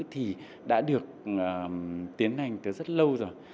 thì đã được tiến hành tới rất lâu rồi